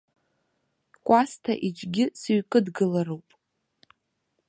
Кәасҭа иҿгьы сыҩкыдгылароуп.